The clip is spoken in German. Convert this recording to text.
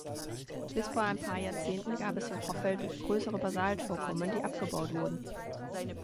Bis vor ein paar Jahrzehnten gab es in Hoffeld größere Basaltvorkommen, die abgebaut wurden.